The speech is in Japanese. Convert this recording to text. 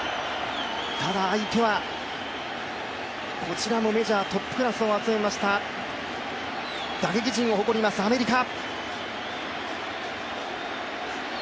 ただ、相手はこちらもメジャートップクラスを集めました打撃陣を誇りますアメリカ。